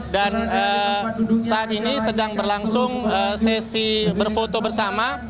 dan saat ini sedang berlangsung sesi berfoto bersama